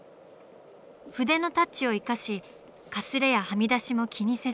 筆のタッチを生かしかすれやはみだしも気にせず。